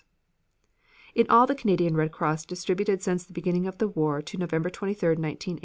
In all the Canadian Red Cross distributed since the beginning of the war to November 23, 1918, $7,631,100.